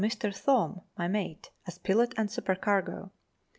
305 Mr. Thorn (my mate) as pilot and supercargo.